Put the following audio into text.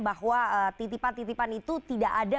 bahwa titipan titipan itu tidak ada